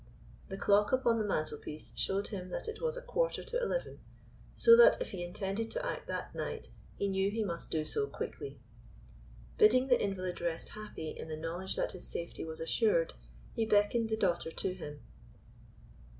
The clock upon the mantlepiece showed him that it was a quarter to eleven, so that if he intended to act that night he knew he must do so quickly. Bidding the invalid rest happy in the knowledge that his safety was assured, he beckoned the daughter to him.